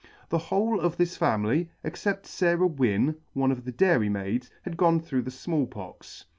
The whole of this family, except Sarah Wynne, one of the dairymaids, had gone through the Small Pox.